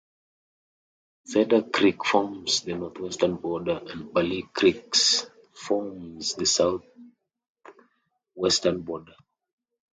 Cedar Creek forms the northwestern border and Bailey Creek forms the southwestern border.